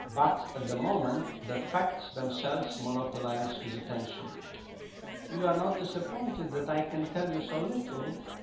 But at the moment the facts themselves monopolized his attention. "You are not disappointed that I can tell you so little?"